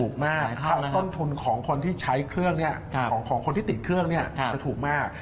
ต้นทุนของคนที่ใช้เครื่องของคนที่ติดเครื่องจะถูกมาก